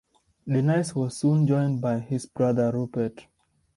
Dennys was soon joined by his brother Rupert.